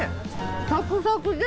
サクサクで。